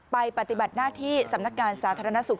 ปฏิบัติหน้าที่สำนักงานสาธารณสุข